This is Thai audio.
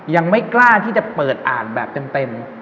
ยังไม่กล้าที่จะเปิดอ่านแบบเต็ม